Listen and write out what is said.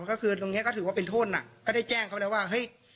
ก็คือตรงนี้ก็ถือว่าเป็นท่นอ่ะก็ได้แจ้งเขาแล้วว่าเฮ้ย